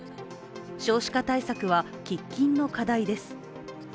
少子化対策は喫緊の課題です。